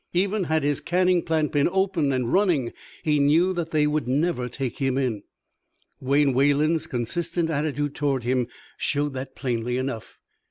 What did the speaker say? Even had his canning plant been open and running, he knew that they would never take him in; Wayne Wayland's consistent attitude toward him showed that plainly enough.